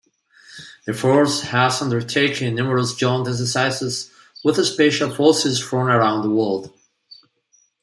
The force has undertaken numerous joint exercises with special forces from around the world.